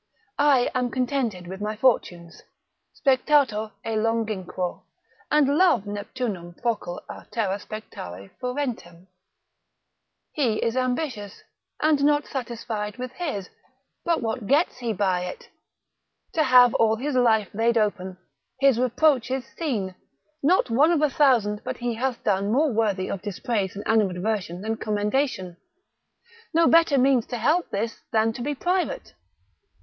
I am contented with my fortunes, spectator e longinquo, and love Neptunum procul a terra spectare furentem: he is ambitious, and not satisfied with his: but what gets he by it? to have all his life laid open, his reproaches seen: not one of a thousand but he hath done more worthy of dispraise and animadversion than commendation; no better means to help this than to be private.